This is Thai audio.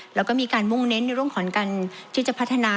แล้วก็มีการมุ่งเน้นในเรื่องของการที่จะพัฒนา